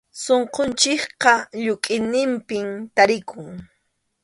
Sunqunchikqa lluqʼiniqpim tarikun.